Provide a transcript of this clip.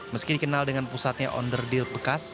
meski dikenal dengan pusatnya onder deal bekas